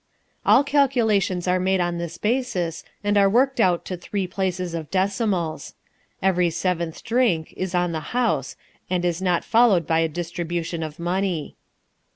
All calculations are made on this basis and are worked out to three places of decimals. Every seventh drink is on the house and is not followed by a distribution of money.